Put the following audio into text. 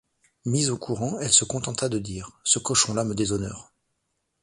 Mise au courant, elle se contenta de dire: — Ce cochon-là me déshonore.